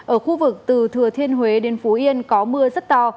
ở khu vực từ thừa thiên huế đến phú yên có mưa rất to